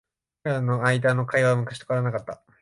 僕らの間の会話は昔と変わらなかった。